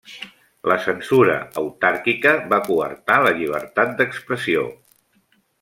La censura autàrquica va coartar la llibertat d'expressió.